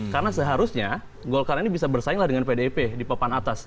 karena seharusnya goal card ini bisa bersainglah dengan pdip di pepan atas